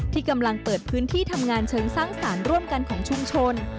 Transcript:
ที่กำลังเปิดพื้นที่ทำงานเชิงสร้างสารร่วมกันของชุมชน